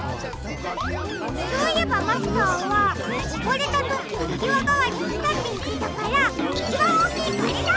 そういえばマスターはおぼれたときうきわがわりにしたっていってたからいちばんおおきいこれだ！